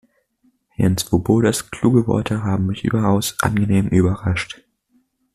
Herrn Swobodas kluge Worte haben mich überaus angenehm überrascht.